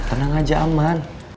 tenang aja aman